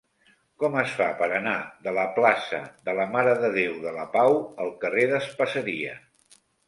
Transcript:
Com es fa per anar de la plaça de la Mare de Déu de la Pau al carrer d'Espaseria?